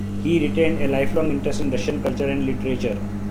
He retained a lifelong interest in Russian culture and literature.